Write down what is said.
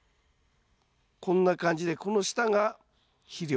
こんな感じでこの下が肥料。